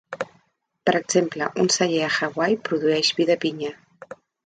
Per exemple, un celler a Hawaii produeix vi de pinya.